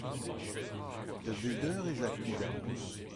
Da bet eur ez a kuit ar bus ?